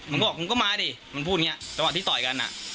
มึงก็บอกมึงก็มาดิมึงพูดอย่างเงี้ยแต่ว่าที่ต่อยกันอ่ะ